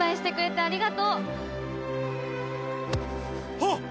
あっ！